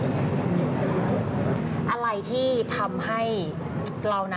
มีความสงสัยมีความสงสัย